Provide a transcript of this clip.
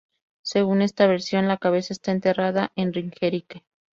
Según esta versión, la cabeza está enterrada en Ringerike.